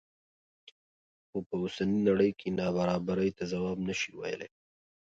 خو په اوسنۍ نړۍ کې نابرابرۍ ته ځواب نه شي ویلی.